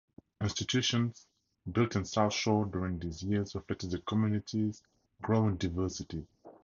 Institutions built in South Shore during these years reflected the community's growing diversity.